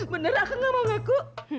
bener akang nggak mau ngaku